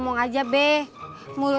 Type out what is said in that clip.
ya ya masih buruk